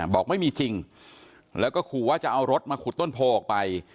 บอกไม่มีจริงแล้วก็ขู่ว่าจะเอารถมาขุดต้นโพออกไป